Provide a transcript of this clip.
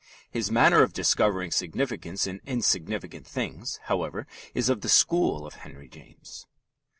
His manner of discovering significance in insignificant things, however, is of the school of Henry James.